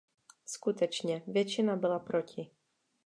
Skutečně, většina byla proti.